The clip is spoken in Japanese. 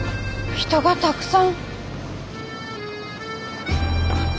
人がたくさん。